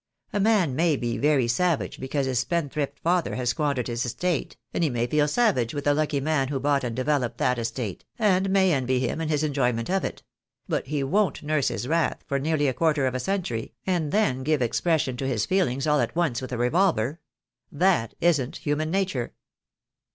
A man may be very savage because his spendthrift father has squandered his estate, and he may feel savage with the lucky man who bought and developed that estate, and may envy him in his enjoyment of it — but he won't nurse his wrath for nearly a quarter of a century, and then give expression to his feelings all at once with a revolver. That isn't human nature."